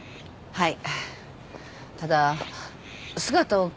はい。